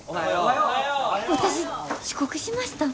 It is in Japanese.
私遅刻しました？